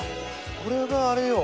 これがあれよ。